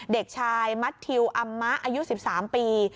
เด็กชายมัททิวอำมะอายุ๑๓ปี